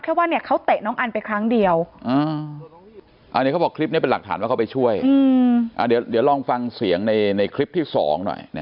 คลิปนี้เป็นหลักฐานต่อเข้าไปช่วยจะลองฟังเสียงในคลิปที่สองหน่อย